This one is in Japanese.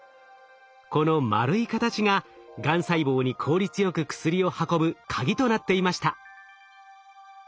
この丸い形ががん細胞に効率よく薬を運ぶ鍵となっていました。